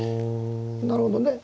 なるほどね。